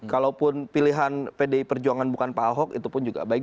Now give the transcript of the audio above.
kalaupun pilihan pdi perjuangan bukan pak ahok itu pun juga baik